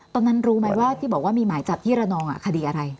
ตอนนั้นรู้ไหมว่าที่บอกว่ามีหมายจับที่ระนองคดีอะไร